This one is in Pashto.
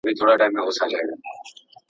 د بدن غړي په ورزش قوي کیږي.